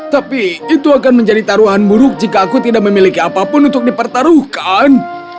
tapi itu akan menjadi taruhan buruk jika aku tidak memiliki apapun untuk dipertaruhkan